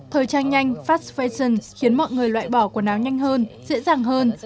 thời trang nhanh fast fashion khiến mọi người loại bỏ quần áo nhanh hơn dễ dàng hơn